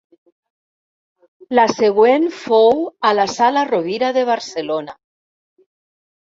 La següent fou a la Sala Rovira de Barcelona.